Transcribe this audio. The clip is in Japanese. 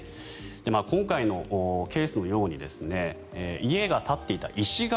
今回のケースのように家が立っていた石垣